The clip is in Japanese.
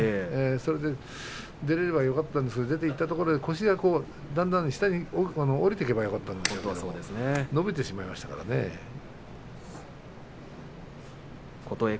そして出られればよかったんですが出たところで腰がだんだん下に下りていけばよかったんですが伸びてしまいました逆に。